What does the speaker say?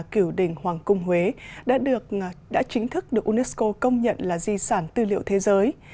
kiểu đình hoàng cung huế đã chính thức được unesco công nhận là di sản tư liệu thế giới